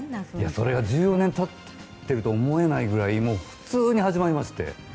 それが１４年経ってるとは思えないぐらい普通に始まりまして。